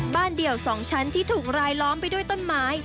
เดี่ยว๒ชั้นที่ถูกรายล้อมไปด้วยต้นไม้